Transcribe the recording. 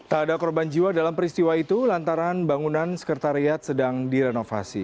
tak ada korban jiwa dalam peristiwa itu lantaran bangunan sekretariat sedang direnovasi